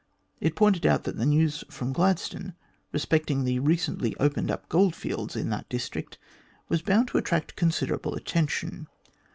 It pointed out that the news from Gladstone respecting the recently opened up goldfields in that district was bound to attract considerable attention.